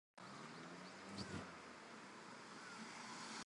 It extends north and west over an enormous area of country.